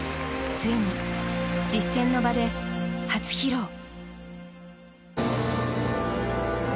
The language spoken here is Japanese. ついに実戦の場で初披露。